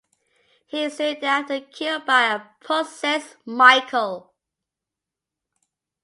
He is soon thereafter killed by a possessed Michael.